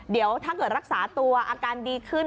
เดี๋ยวถ้าเกิดรักษาตัวอาการดีขึ้น